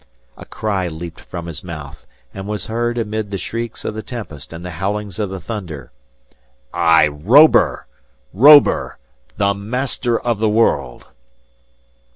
A cry leaped from his mouth, and was heard amid the shrieks of the tempest and the howlings of the thunder. "I, Robur! Robur!—The master of the world!"